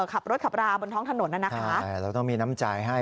ขับรถขับราบนท้องถนนน่ะนะคะใช่เราต้องมีน้ำใจให้